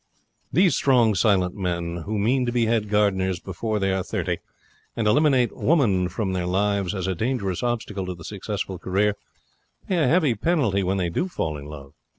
These strong, silent men who mean to be head gardeners before they are thirty, and eliminate woman from their lives as a dangerous obstacle to the successful career, pay a heavy penalty when they do fall in love.